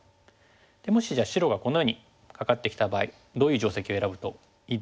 でもしじゃあ白がこのようにカカってきた場合どういう定石を選ぶといいと思います？